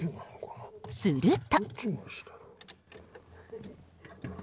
すると。